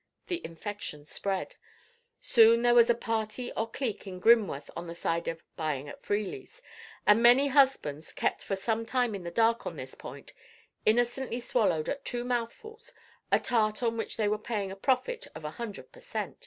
The infection spread; soon there was a party or clique in Grimworth on the side of "buying at Freely's"; and many husbands, kept for some time in the dark on this point, innocently swallowed at two mouthfuls a tart on which they were paying a profit of a hundred per cent.